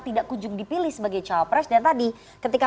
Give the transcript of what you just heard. tidak kunjung dipilih sebagai cowok pres dan tadi ketika